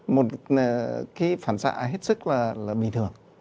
một cái phản xạ hết sức là bình thường